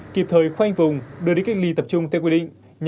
kịp thời khoanh vùng đưa đi kinh lý tập trung theo quy định